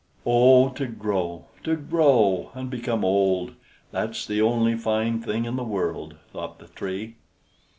"Oh! to grow, to grow, and become old; that's the only fine thing in the world," thought the Tree.